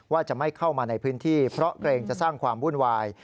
ว่าจะไม่เข้ามาในพื้นที่เพราะเกรงจะสร้างความวุ่นวาย